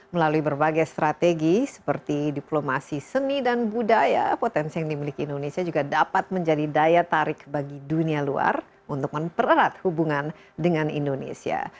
melalui berbagai strategi seperti diplomasi seni dan budaya potensi yang dimiliki indonesia juga dapat menjadi daya tarik bagi dunia luar untuk mempererat hubungan dengan indonesia